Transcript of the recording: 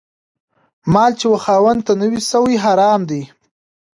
مال چي و خاوند ته نه وي سوی، حرام دی